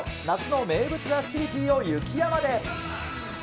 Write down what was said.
夏の名物アクティビティーを雪山で。